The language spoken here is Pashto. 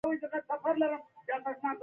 خلعت ورکړی وو.